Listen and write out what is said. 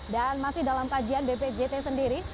dan masih dalam kajian bpjt sendiri